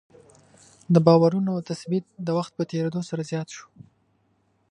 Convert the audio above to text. د باورونو تثبیت د وخت په تېرېدو سره زیات شو.